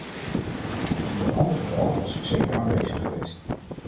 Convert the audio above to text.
In ieder ander geval was ik zeker aanwezig geweest.